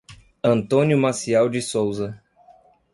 Antônio Maciel de Souza